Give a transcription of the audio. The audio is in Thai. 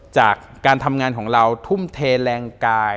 จากการทำงานของเราทุ่มเทแรงกาย